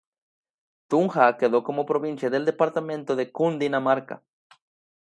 Tunja quedó como provincia del departamento de Cundinamarca.